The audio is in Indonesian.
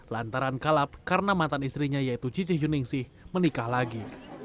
lantaran kalap karena mantan istrinya yaitu cici yuningsih menikah lagi